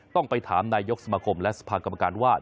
ต้องไปถามนายกสมาคมและสภากรรมการว่า